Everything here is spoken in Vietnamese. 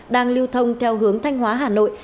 đang lưu thông theo hướng thanh hóa hà nội